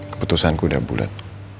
keputusanku udah bulat